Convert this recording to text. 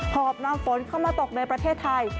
หอบนำฝนเข้ามาตกในประเทศไทย